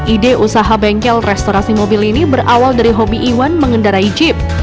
ide usaha bengkel restorasi mobil ini berawal dari hobi iwan mengendarai jeep